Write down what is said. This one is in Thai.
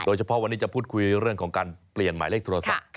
เฉพาะวันนี้จะพูดคุยเรื่องของการเปลี่ยนหมายเลขโทรศัพท์